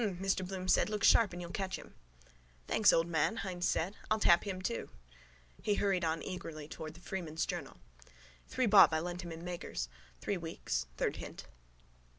—Mm, Mr Bloom said. Look sharp and you'll catch him. —Thanks, old man, Hynes said. I'll tap him too. He hurried on eagerly towards the Freeman's Journal. Three bob I lent him in Meagher's. Three weeks. Third hint.